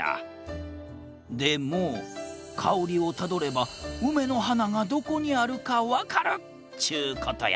でもかおりをたどればうめのはながどこにあるかわかるっちゅうことや！